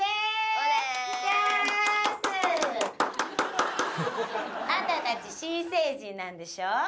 おねあんた達新成人なんでしょ？